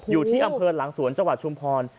อยู่ที่อำเภอหลังสวนจังหวัดชุมพร